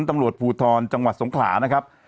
ตังหกภูทรจังหวัดสงขรานะครับ